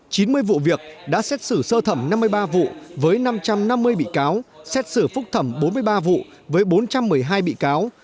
tổ việc đã xét xử sơ thẩm năm mươi ba vụ với năm trăm năm mươi bị cáo xét xử phúc thẩm bốn mươi ba vụ với bốn trăm một mươi hai bị cáo